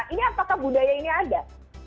ini apakah budaya ini ada